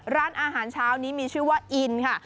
ร้านอาหารเช้านี้มีชื่อว่าอินค่ะ